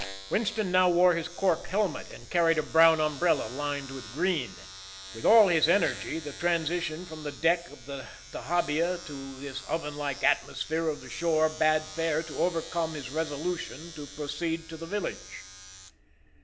Winston now wore his cork helmet and carried a brown umbrella lined with green. With all his energy, the transition from the deck of the dahabeah to this oven like atmosphere of the shore bade fair to overcome his resolution to proceed to the village.